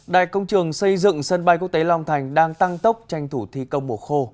đại công trường xây dựng sân bay quốc tế long thành đang tăng tốc tranh thủ thi công bộ khô